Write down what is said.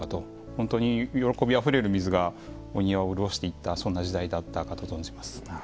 本当に喜びあふれる水がお庭を潤していったそんな時代だったかと存じます。